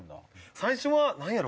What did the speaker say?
最初は「なんやろ？